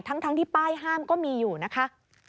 ทั้งที่ป้ายห้ามก็มีอยู่นะคะ